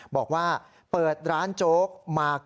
บอกว่าเปิดร้านโจ๊กมา